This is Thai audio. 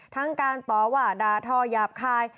ทั้งการตอบหว่าดาท่อยาบค่าย